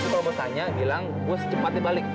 suka bos tanya bilang bos cepat dibalik